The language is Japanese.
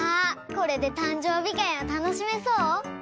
これでたんじょうびかいをたのしめそう？